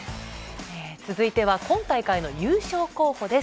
続いては今大会の優勝候補です。